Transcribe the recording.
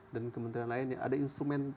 dan kementerian lainnya ada instrumen